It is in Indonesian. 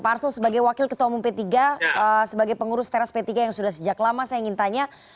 pak arsul sebagai wakil ketua umum p tiga sebagai pengurus teras p tiga yang sudah sejak lama saya ingin tanya